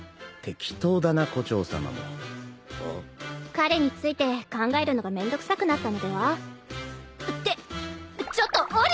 彼について考えるのがめんどくさくなったのでは？ってちょっと下りてよ！